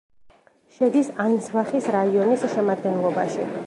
შედის ანსბახის რაიონის შემადგენლობაში.